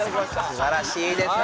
素晴らしいですね。